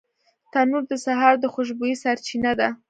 تنور د سهار د خوشبویۍ سرچینه ده